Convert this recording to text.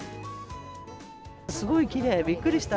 すごいきれい、びっくりした。